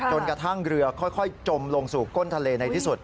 จนกระทั่งเรือค่อยจมลงสู่ก้นทะเลในที่สุด